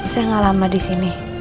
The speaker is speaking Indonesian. saya gak lama disini